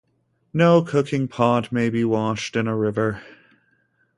No cooking-pot may be washed in a river.